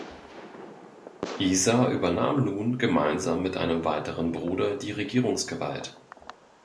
Isa übernahm nun, gemeinsam mit einem weiteren Bruder, die Regierungsgewalt.